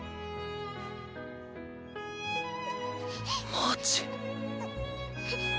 マーチ？